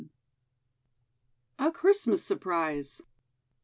A CHRISTMAS SURPRISE.